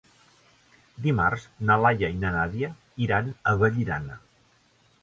Dimarts na Laia i na Nàdia iran a Vallirana.